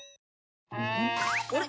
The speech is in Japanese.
あれ？